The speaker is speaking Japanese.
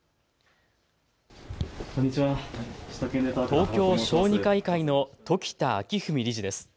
東京小児科医会の時田章史理事です。